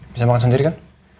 bisa makan sendiri kan